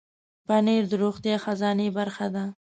پنېر د روغتیا خزانې برخه ده.